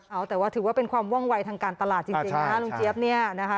เอาแต่ว่าถือว่าเป็นความว่องวัยทางการตลาดจริงนะลุงเจี๊ยบเนี่ยนะคะ